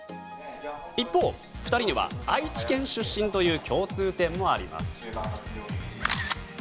一方、２人には愛知県出身という共通点もあります。